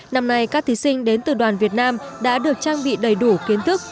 năm nay các thí sinh đến từ đoàn việt nam đã được trang bị đầy đủ kiến thức